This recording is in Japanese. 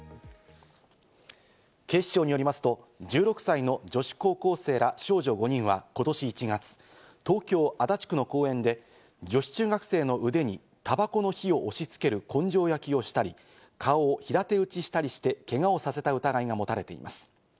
警視庁によりますと１６歳の女子高校生ら少女５人は今年１月、東京・足立区の公園で女子中学生の腕にたばこの火を押し付ける根性焼きをしたり、顔を平手打ちしたりして、けがをさせた疑いが持たれています。